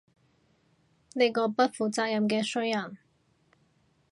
你個不負責任嘅衰人